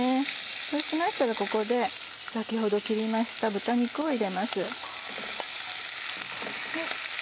そうしましたらここで先ほど切りました豚肉を入れます。